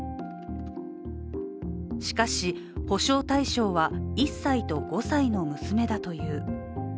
しかし、保障対象は１歳と５歳の娘だという。